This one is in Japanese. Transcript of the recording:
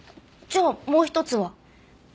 じゃあもう一つは？